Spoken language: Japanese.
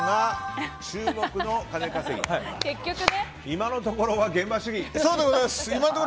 今のところは現場主義と。